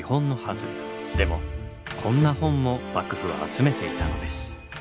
でもこんな本も幕府は集めていたのです。